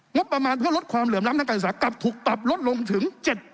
งบประมาณเพื่อลดความเหลื่อมล้ำทางการศึกษากลับถูกปรับลดลงถึง๗๐